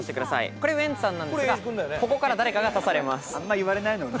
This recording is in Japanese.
これはウエンツさんなんですが、ここから誰かが足されます。